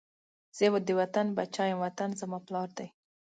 زه د وطن بچی یم، وطن زما پلار دی